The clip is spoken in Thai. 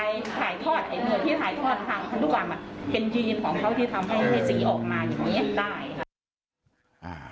เป็นจีนของเขาที่ทำให้สีออกมาอย่างนี้